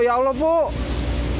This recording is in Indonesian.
ya allah puh